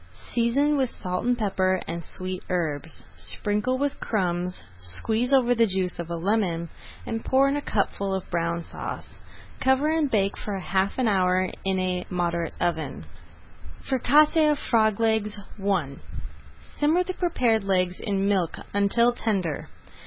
Season with salt and pepper and sweet herbs. Sprinkle with crumbs, squeeze over the juice of a lemon, and pour in a cupful of Brown Sauce. Cover and bake for half an hour in a moderate oven. [Page 154] FRICASSÉE OF FROG LEGS I Simmer the prepared legs in milk until tender.